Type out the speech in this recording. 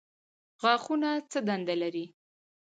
غاښونه څه دنده لري؟